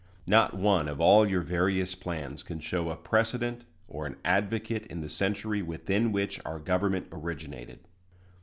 Not one of all your various plans can show a precedent or an advocate in the century within which our government originated.